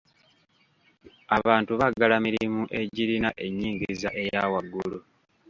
Abantu baagala mirimu egirina ennyingiza eya wagulu .